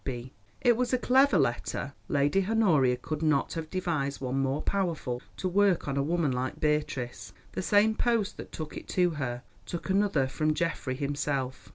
B." It was a clever letter; Lady Honoria could not have devised one more powerful to work on a woman like Beatrice. The same post that took it to her took another from Geoffrey himself.